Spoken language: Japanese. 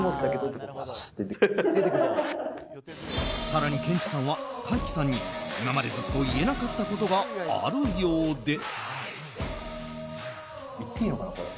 更にケンチさんは大樹さんに、今までずっと言えなかったことがあるようで。